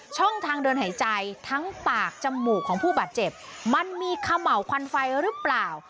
ช่องทางเดินหายใจทั้งปากจมูกของผู้บาดเจ็บมันมีเขม่าวควันไฟหรือเปล่า